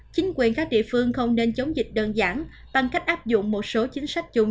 chính quyền các địa phương không nên chống dịch đơn giản bằng cách áp dụng một số chính sách chung